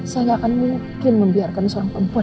saya tidak akan membiarkan seorang perempuan